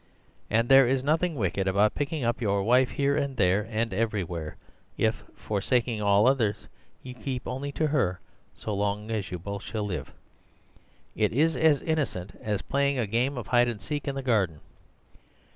And there is nothing wicked about picking up your wife here, there, and everywhere, if, forsaking all others, you keep only to her so long as you both shall live. It is as innocent as playing a game of hide and seek in the garden.